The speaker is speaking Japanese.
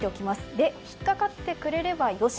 で、引っかかってくれればよし。